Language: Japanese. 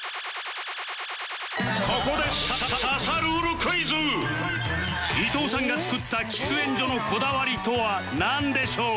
ここで伊藤さんが作った喫煙所のこだわりとはなんでしょう？